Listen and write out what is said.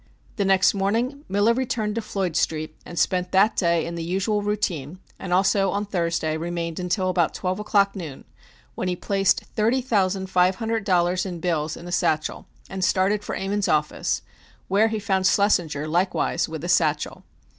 The next morning Miller returned to Floyd Street and spent that day in the usual routine, and also on Thursday remained until about twelve o'clock noon, when he placed thirty thousand five hundred dollars in bills in a satchel and started for Ammon's office, where he found Schlessinger likewise with a satchel.